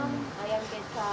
ayam kecap oke